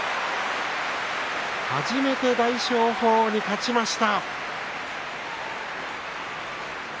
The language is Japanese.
初めて大翔鵬に勝ちました。